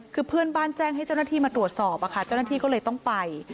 คือเพื่อนบ้านแจ้งให้เจ้าหน้าที่มาตรวจสอบเจ้าหน้าที่ก็เลยต้องไป